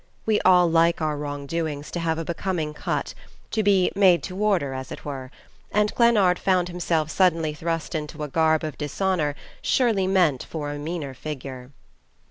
We all like our wrong doings to have a becoming cut, to be made to order, as it were; and Glennard found himself suddenly thrust into a garb of dishonor surely meant for a meaner figure.